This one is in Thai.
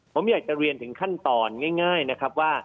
ผมอยากจะเรียนถึงขั้นตอนง่ายนะครับว่า